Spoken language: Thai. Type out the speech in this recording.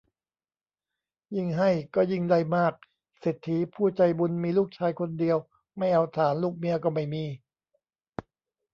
ยิ่งให้ก็ยิ่งได้มาก เศรษฐีผู้ใจบุญมีลูกชายคนเดียว ไม่เอาถ่าน ลูกเมียก็ไม่มี